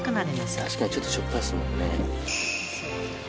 確かにちょっとしょっぱいですもんね。